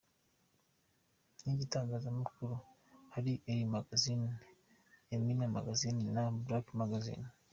Nk’itangazamakuru hariyo Elle Magazine, Amina Magazine na Black Magazine.